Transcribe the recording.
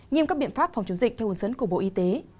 nghiêm các biện pháp phòng chống dịch theo hướng dẫn của bộ y tế